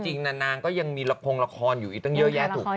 จริงนางก็ยังมีละครละครอยู่อีกตั้งเยอะแยะถูกไหม